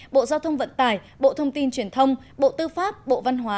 bộ giao thông vận tải bộ thông tin truyền thông bộ tư pháp bộ văn hóa